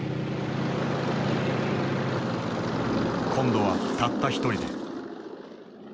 今度はたった一人で。